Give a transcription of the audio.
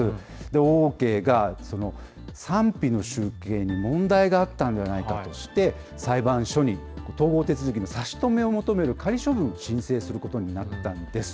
オーケーが賛否の集計に問題があったんではないかとして、裁判所に統合手続きの差し止めを求める仮処分を申請することになったんです。